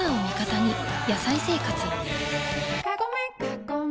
「野菜生活」